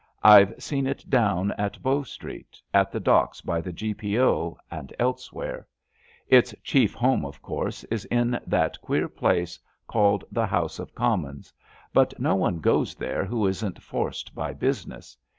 Vve seen it down at Bow Street, at the docks, by the Q. P. 0., and elsewhere* Its chief home, of course, is in that queer place called the House of Commons, but no one goes there who isn't forced by business.